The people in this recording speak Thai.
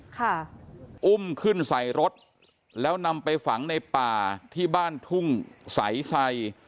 ค่ะอุ้มขึ้นใส่รถแล้วนำไปฝังในป่าที่บ้านทุ่งใสไซ